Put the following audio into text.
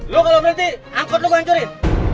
lu kalo berhenti angkot lu gue hancurin